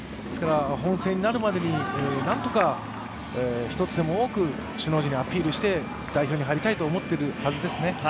本戦になるまでに、何とか１つでも多く首脳陣にアピールして代表に入りたいと思っているはずですね。